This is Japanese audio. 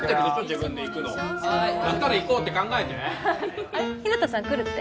自分で行くの鳴ったら行こうって考えてあれ日向さん来るって？